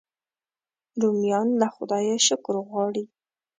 رومیان له خدایه شکر غواړي